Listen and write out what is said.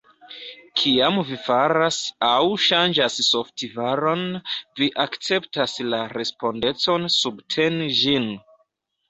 Kiam vi faras aŭ ŝanĝas softvaron, vi akceptas la respondecon subteni ĝin.